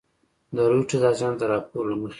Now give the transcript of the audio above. د رویټرز اژانس د راپور له مخې